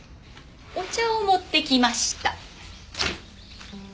お茶を持ってきました。